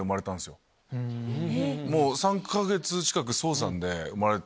３か月近く早産で生まれて。